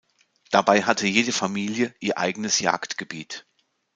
Dabei hatte jede Familie ihr eigenes Jagdgebiet.